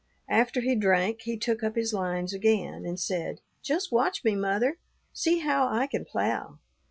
After he drank, he took up his lines again, and said, 'Just watch me, mother; see how I can plough.'